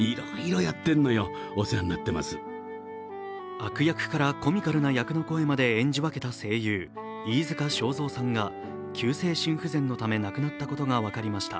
悪役からコミカルな役の声まで演じ分けた声優飯塚昭三さんが急性心不全のため亡くなったことが分かりました。